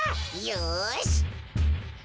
よし！